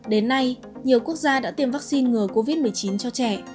đến nay nhiều quốc gia đã tiêm vaccine ngừa covid một mươi chín cho trẻ